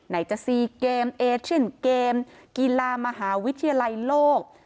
ไหนจะซีเกมเอเชียนเกมกีฬามหาวิทยาลัยโลก